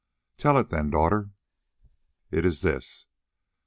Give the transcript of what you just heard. "Tell it then, daughter." "It is this.